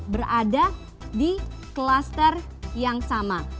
berada di kluster yang sama